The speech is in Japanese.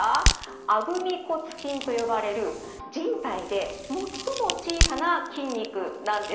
アブミ骨筋と呼ばれる人体で最も小さな筋肉なんです。